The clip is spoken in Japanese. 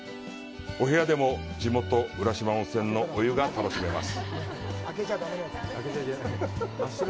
お部屋でも、地元・浦島温泉のお湯が楽しめます。